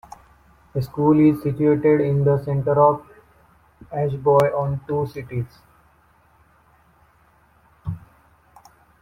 The school is situated in the centre of Ashby on two sites.